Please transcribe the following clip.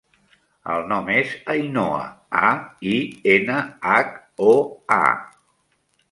El nom és Ainhoa: a, i, ena, hac, o, a.